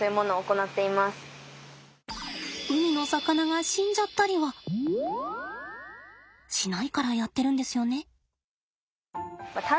海の魚が死んじゃったりはしないからやってるんですよね。